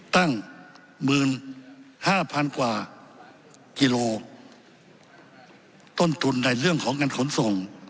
ตั้ง๑๕๐๐๐กว่ากิโลต้นทุนในเรื่องของเงินขนส่ง